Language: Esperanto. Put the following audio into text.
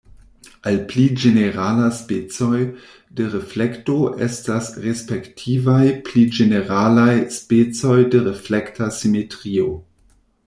Al pli ĝenerala specoj de reflekto estas respektivaj pli ĝeneralaj specoj de reflekta simetrio.